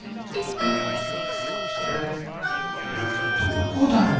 どこだろう？